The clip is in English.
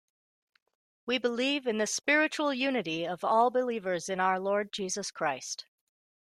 We believe in the spiritual unity of all believers in our Lord Jesus Christ.